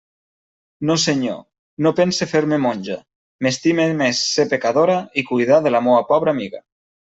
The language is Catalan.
No senyor; no pense fer-me monja; m'estime més ser pecadora i cuidar de la meua pobra amiga.